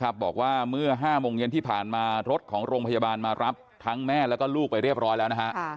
บอกว่าเมื่อ๕โมงเย็นที่ผ่านมารถของโรงพยาบาลมารับทั้งแม่แล้วก็ลูกไปเรียบร้อยแล้วนะฮะ